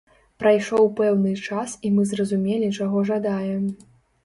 Прайшоў пэўны час і мы зразумелі чаго жадаем.